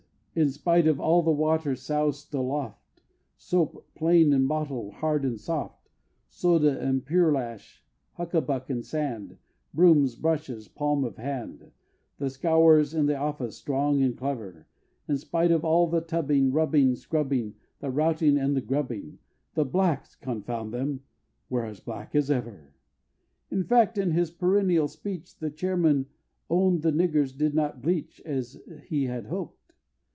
spite of all the water sous'd aloft, Soap, plain and mottled, hard and soft, Soda and pearlash, huckaback and sand, Brooms, brushes, palm of hand, And scourers in the office strong and clever, In spite of all the tubbing, rubbing, scrubbing, The routing and the grubbing, The blacks, confound them! were as black as ever! In fact in his perennial speech, The Chairman own'd the niggers did not bleach, As he had hoped.